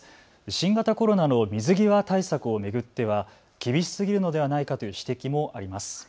新型コロナの水際対策を巡っては厳しすぎるのではないかという指摘もあります。